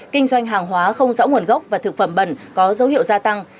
kinh doanh hàng hóa không rõ nguồn gốc và thực phẩm bẩn có dấu hiệu gia tăng